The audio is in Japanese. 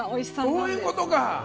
そういうことか！